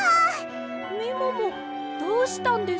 みももどうしたんです？